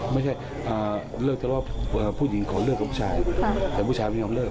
ไม่ใช่เลิกทะเลาะผู้หญิงขอเลิกกับผู้ชายแต่ผู้ชายไม่ยอมเลิก